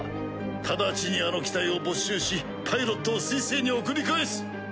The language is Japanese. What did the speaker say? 直ちにあの機体を没収しパイロットを水星に送り返す。